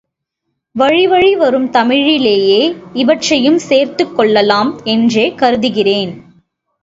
வழிவழி வரும் தமிழிலேயே இவற்றையும் சேர்த்துக் கொள்ளலாம் என்றே கருதுகிறேன்.